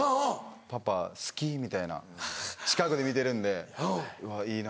「パパ好き！」みたいな近くで見てるんでいいな。